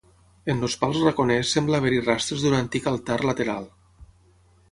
En els pals raconers sembla haver-hi rastres d'un antic altar lateral.